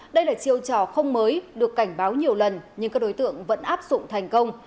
đây là chiêu trò không mới được cảnh báo nhiều lần nhưng các đối tượng vẫn áp dụng thành công